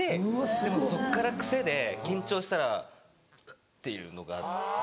でもそっから癖で緊張したらっていうのがあって。